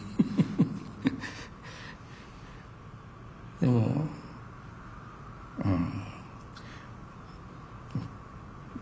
でもうん。